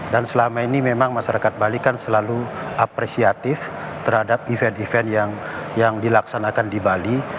dan selama ini memang masyarakat bali kan selalu apresiatif terhadap event event yang dilaksanakan di bali